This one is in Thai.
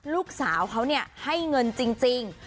ลูกสาวเขาให้เงินจริง